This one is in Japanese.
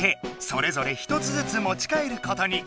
それぞれ１つずつもち帰ることに。